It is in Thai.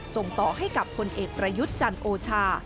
ส่งต่อให้กับคนเอกประยุทธ์จันทร์โอชา